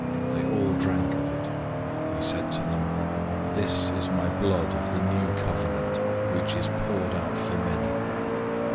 They all drank of it. 014:024 He said to them, "This is my blood of the new covenant, which is poured out for many.